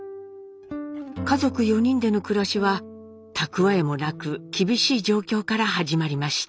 家族４人での暮らしは蓄えもなく厳しい状況から始まりました。